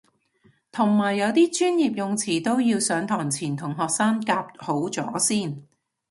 同埋有啲專業用詞都要上堂前同學生夾好咗先